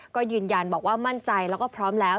ก็ยืนยันบอกว่ามั่นใจแล้วก็พร้อมแล้ว